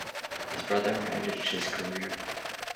His brother managed his career.